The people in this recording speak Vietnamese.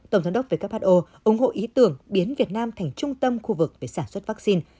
tổng giám đốc who ủng hộ ý tưởng biến việt nam thành trung tâm khu vực về sản xuất vaccine